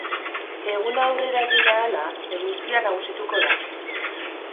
Eguna aurrera egin ahala, eguzkia nagusituko da.